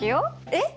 えっ